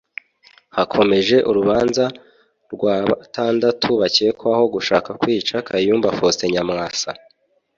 hakomeje urubanza rwa batandatu bakekwaho gushaka kwica Kayumba Faustin Nyamwasa